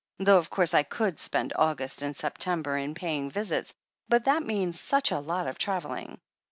Though, of course, I could spend August and Septem ber in paying visits, but that means such a lot of travel ling."